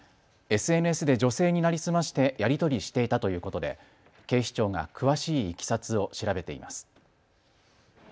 ＳＮＳで女性に成り済ましてやり取りしていたということで警視庁が詳しいいきさつを調べています。